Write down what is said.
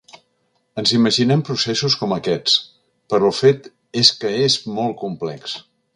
Ens imaginem processos com aquests, però el fet és que és molt complex.